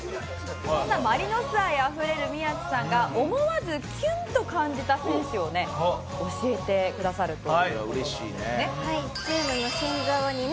そんなマリノス愛あふれる宮地さんが思わずキュンと感じた選手をね教えてくださるという事なんですね。